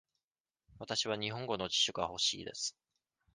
わたしは日本語の辞書が欲しいです。